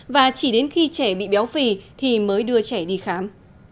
và chỉ đến khi trẻ bị béo phì thì mới đưa trẻ đi khám